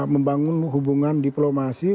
membangun hubungan diplomasi